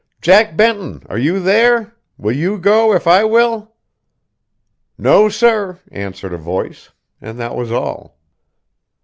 "Jack Benton, are you there? Will you go if I will?" "No, sir," answered a voice; and that was all.